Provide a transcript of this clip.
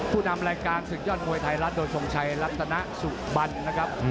ผู้นำรายการศึกยอดมวยไทยรัฐโดยทรงชัยรัตนสุบันนะครับ